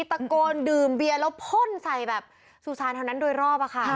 ตะโกนดื่มเบียร์แล้วพ่นใส่แบบสุสานแถวนั้นโดยรอบอะค่ะ